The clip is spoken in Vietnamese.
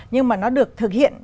nhưng mà nó được thực hiện